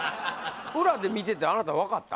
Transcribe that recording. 裏で見ててあなた分かった？